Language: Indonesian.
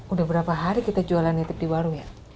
udah berapa hari kita jualan nitip di warung ya